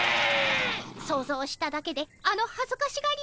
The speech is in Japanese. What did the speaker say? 想像しただけであのはずかしがりよう。